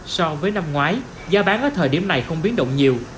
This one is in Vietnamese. so với năm ngoái giá bán ở thời điểm này không biến động nhiều